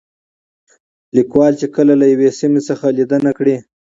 ليکوال چې کله له يوې سيمې څخه ليدنه کړې